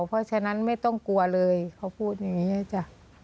เพราะฉะนั้นไม่ต้องกลัวเลยเขาพูดอย่างนี้จ้ะ